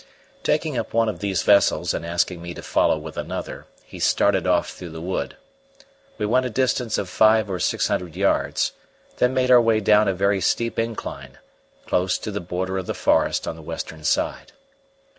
Taking up one of these vessels and asking me to follow with another, he started off through the wood. We went a distance of five or six hundred yards, then made our way down a very steep incline, close to the border of the forest on the western side.